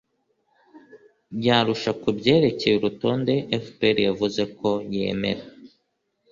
y arusha ku byerekeye urutonde fpr yavuze ko yemera